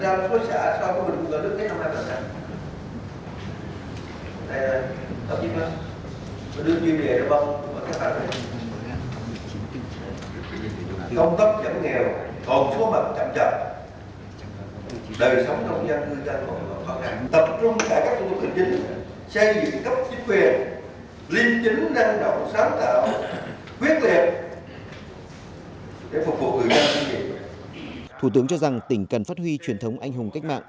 và cải cách hành chính của tỉnh phú yên thủ tướng cho rằng tỉnh cần phát huy truyền thống anh hùng cách mạng